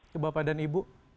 ke bapak dan ibu